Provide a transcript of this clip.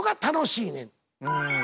うん。